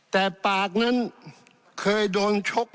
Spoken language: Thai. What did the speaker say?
ท่านประธานที่ขอรับครับ